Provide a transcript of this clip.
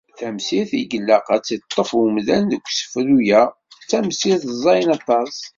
Tamsirt i ilaq ad tt-iṭṭef umdan seg usefru-a d tamsirt ẓẓayen aṭas.